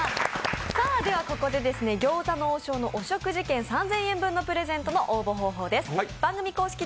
ここで餃子の王将のお食事券３０００円分のプレゼントの応募方法です。